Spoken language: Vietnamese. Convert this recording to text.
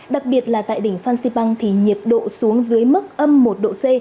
đặc biệt là tại đỉnh phan xipang thì nhiệt độ xuống dưới mức âm một độ c